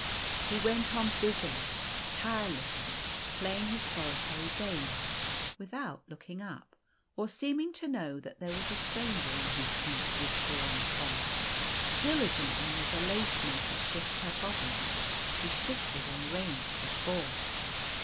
* He went on busily, tirelessly, playing his solitary game, without looking up, or seeming to know that there was a stranger in his deep withdrawn cell. Diligently as a lace maker shifts her bobbins, he shifted and arranged his balls.